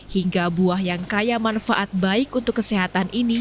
hingga buah yang kaya manfaat baik untuk kesehatan ini